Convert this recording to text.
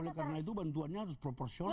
oleh karena itu bantuannya harus proporsional